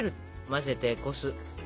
混ぜてこす。